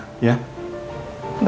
kamu siapkan aja untuk pertemuannya